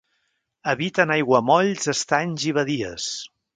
Habita en aiguamolls, estanys i badies.